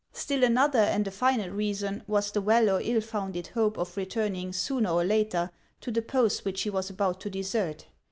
Still another and a final reason was the well or ill founded hope of returning sooner or later to the post which he was about to desert.